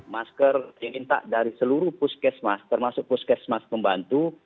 masker yang minta dari seluruh puskesmas termasuk puskesmas pembantu